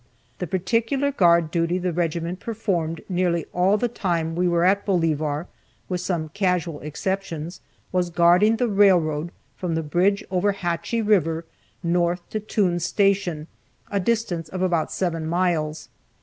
The particular guard duty the regiment performed nearly all the time we were at Bolivar (with some casual exceptions) was guarding the railroad from the bridge over Hatchie river, north to Toone's Station, a distance of about seven miles.